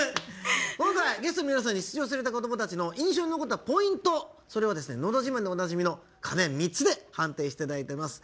ゲストの皆さんに出場された子どもたちに印象に残ったポイント、それを「のど自慢」でおなじみの鐘３つで判定していただきます。